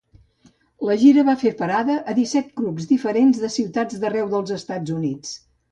La gira va fer parada a disset clubs diferents de ciutats d'arreu dels Estats Units.